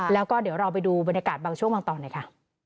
แล้วก็เดี๋ยวเราไปดูบรรยากาศบางช่วงบางตอนหน่อยค่ะ